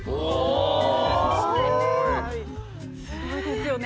すごいですよね。